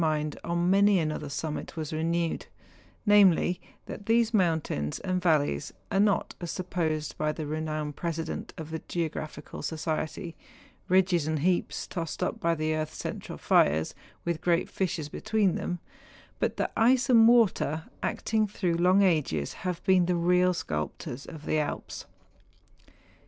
53 mind on many another summit was renewed; namely, that these mountains and valleys are not, as sup¬ posed by the renowned President of the Geographical Society, ridges and heaps tossed up by the earth's central fires, with great fissures between them, but that ice and water, acting through long ages, have been the real sculptors of the Alps.